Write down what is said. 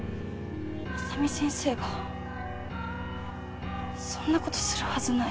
浅海先生がそんな事するはずない。